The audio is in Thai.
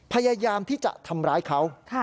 พยายามที่จะทำร้ายเขา